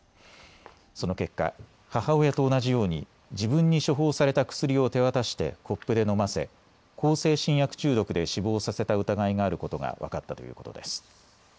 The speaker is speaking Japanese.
その結果、母親と同じように自分に処方された薬を手渡してコップでのませ向精神薬中毒で死亡させた疑いがあることが分かったということです。